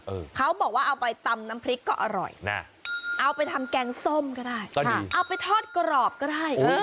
เขาบอกว่าเอาไปตำน้ำพริกก็อร่อยนะเอาไปทำแกงส้มก็ได้ก็ดีเอาไปทอดกรอบก็ได้เออ